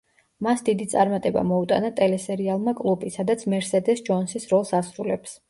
მას დიდი წარმატება მოუტანა ტელესერიალმა „კლუბი“, სადაც მერსედეს ჯონსის როლს ასრულებს.